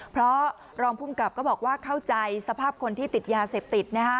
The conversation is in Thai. เพราะรองภูมิกับก็บอกว่าเข้าใจสภาพคนที่ติดยาเสพติด